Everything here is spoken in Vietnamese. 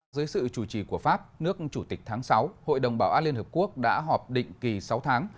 dưới sự chủ trì của pháp nước chủ tịch tháng sáu hội đồng bảo an liên hợp quốc đã họp định kỳ sáu tháng